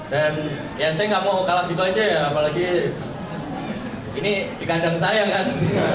dan ya saya nggak mau kalah gitu aja ya apalagi ini di kandang saya kan